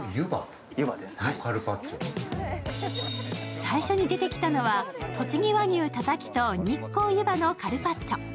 最初に出てきたのは、とちぎ和牛たたきと日光湯葉のカルパッチョ。